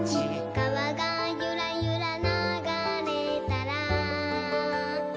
「かわがゆらゆらながれたら」